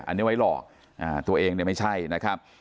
อันนี้ไว้หลอกตัวเองเนี่ยไม่ใช่นะครับ